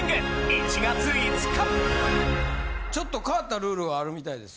ちょっと変わったルールがあるみたいです。